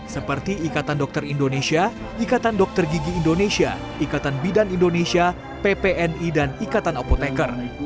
seperti ikatan dokter indonesia ikatan dokter gigi indonesia ikatan bidan indonesia ppni dan ikatan apoteker